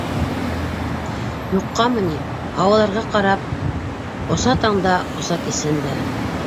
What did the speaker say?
Юҡҡамы ни, һауаларға ҡарап, Оса таңда, оса кисен дә.